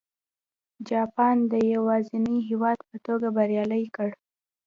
جاپان د یوازیني هېواد په توګه بریالی کړ.